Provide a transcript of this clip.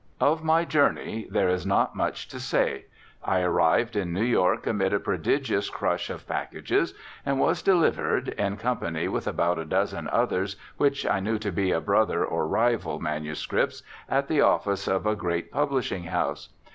Of my journey there is not much to say. I arrived in New York amid a prodigious crush of packages, and was delivered, in company with about a dozen others, which I knew to be brother or rival, manuscripts, at the office of a great publishing house.